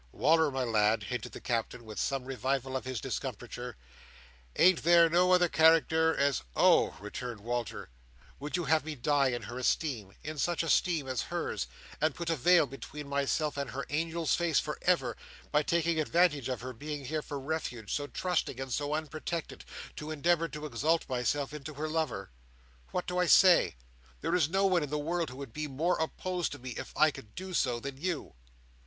"Wal"r, my lad," hinted the Captain, with some revival of his discomfiture, "ain't there no other character as—" "Oh!" returned Walter, "would you have me die in her esteem—in such esteem as hers—and put a veil between myself and her angel's face for ever, by taking advantage of her being here for refuge, so trusting and so unprotected, to endeavour to exalt myself into her lover? What do I say? There is no one in the world who would be more opposed to me if I could do so, than you."